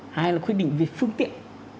hai là quyết định về phương tiện